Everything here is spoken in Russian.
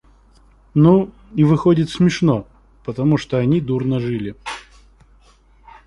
Ну, и выходит смешно, потому что они дурно жили.